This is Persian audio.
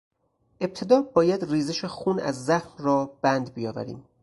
ابتدا باید ریزش خون از زخم را بند بیاوریم.